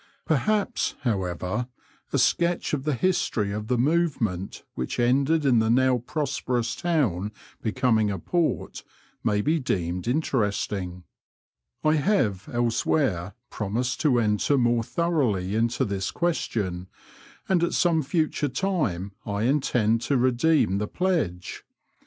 Perhaps, however, a sketch of the history of the movement which ended in the now prosperous town becoming a port may be deemed interesting. I have Digitized by VjOOQIC LOWESTOFT TO BECCLES. 81 elsewhere promised to enter more thoroughly into this question, and at some future time 1 intend to redeem the pledge.